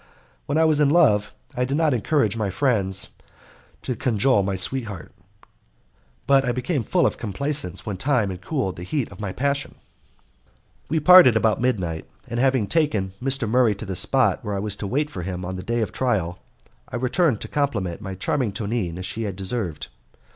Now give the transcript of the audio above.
When I was in love I did not encourage my friends to cajole my sweetheart, but I became full of complaisance when time had cooled the heat of my passion. We parted about midnight, and having taken Mr. Murray to the spot where I was to wait for him on the day of trial, I returned to compliment my charming Tonine as she deserved.